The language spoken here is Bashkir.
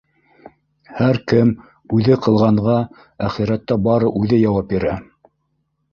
Һәр кем үҙе ҡылғанға әхирәттә бары үҙе яуап бирә.